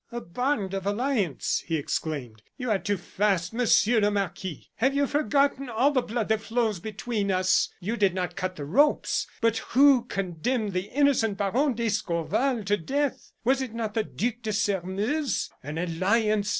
"A bond of alliance!" he exclaimed. "You are too fast, Monsieur le Marquis! Have you forgotten all the blood that flows between us? You did not cut the ropes; but who condemned the innocent Baron d'Escorval to death? Was it not the Duc de Sairmeuse? An alliance!